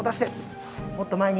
そうもっと前に。